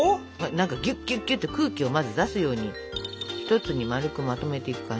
何かぎゅっぎゅっぎゅっと空気をまず出すように一つに丸くまとめていく感じ。